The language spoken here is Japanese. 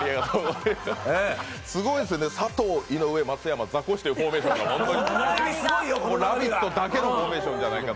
すごいですね、佐藤、井上、松山、ザコシというフォーメーション「ラヴィット！」だけのフォーメーションじゃないかと。